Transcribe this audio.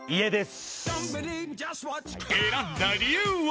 選んだ理由は？